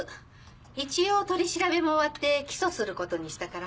一応取り調べも終わって起訴することにしたから。